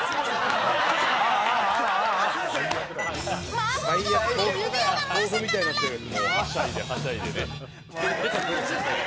マーボー豆腐に指輪がまさかの落下。